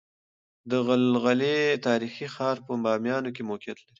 دغلغلې تاريخي ښار په باميانو کې موقعيت لري